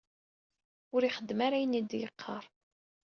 Ur ixeddem ara ayen i d-yeqqaṛ